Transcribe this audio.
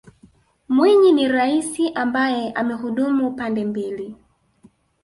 mwinyi ni raisi ambaye amehudumu pande mbili